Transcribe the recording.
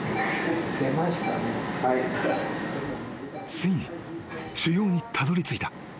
［ついに腫瘍にたどりついた］